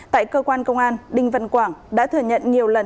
tại cơ quan công an đinh văn quảng đã thừa nhận nhiều lần